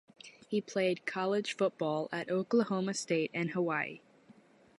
He played college football at Oklahoma State and Hawaii.